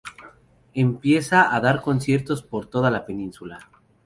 Empieza a dar conciertos por toda la península.